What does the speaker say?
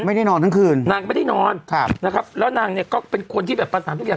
ไม่ได้นอนทั้งคืนนางก็ไม่ได้นอนครับนะครับแล้วนางเนี่ยก็เป็นคนที่แบบประสานทุกอย่าง